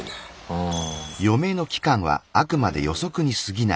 うん。